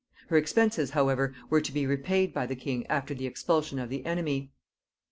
Her expenses however were to be repaid by the king after the expulsion of the enemy.